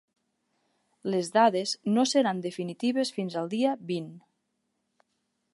Les dades no seran definitives fins al dia vint.